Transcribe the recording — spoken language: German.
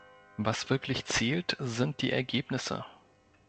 Was wirklich zählt, sind die Ergebnisse.